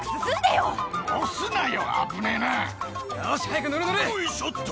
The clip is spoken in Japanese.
よいしょっと。